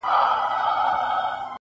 تا خو کړئ زموږ د مړو سپکاوی دی-